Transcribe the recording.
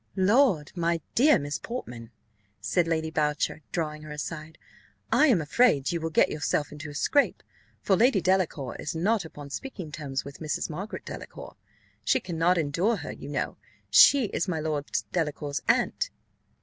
"Lord, my dear Miss Portman," said Lady Boucher, drawing her aside, "I am afraid you will get yourself into a scrape; for Lady Delacour is not upon speaking terms with this Mrs. Margaret Delacour she cannot endure her; you know she is my Lord Delacour's aunt."